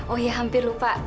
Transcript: oh ya hampir lupa